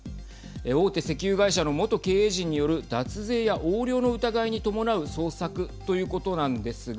大手石油会社の元経営陣による脱税や横領の疑いに伴う捜索ということなんですが。